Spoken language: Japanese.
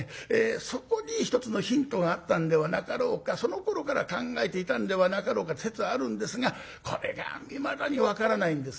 そこに一つのヒントがあったんではなかろうかそのころから考えていたんではなかろうかって説はあるんですがこれがいまだに分からないんですね。